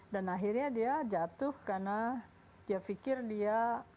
dan akhirnya dia jatuh karena dia pikir dia